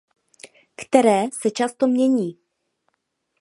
Které se často mění.